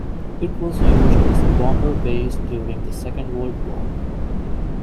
It was used as a bomber base during the Second World War.